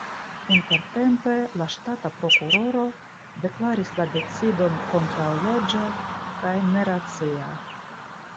Intertempe la ŝtata prokuroro deklaris la decidon kontraŭleĝa kaj neracia.